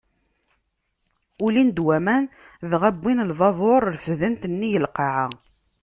Ulin-d waman, dɣa wwin lbabuṛ, refden-t nnig n lqaɛa.